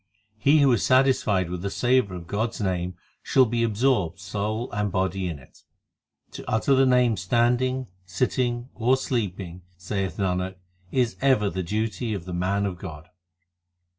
He who is satisfied with the savour of God s name, Shall be absorbed soul and body in it. To utter the Name standing, sitting, or sleeping, Saith Nanak, is ever the duty of the man of God.